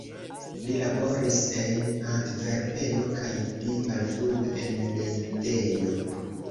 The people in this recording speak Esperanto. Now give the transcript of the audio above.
Li laboris en Antverpeno kaj pli malfrue en Lejdeno.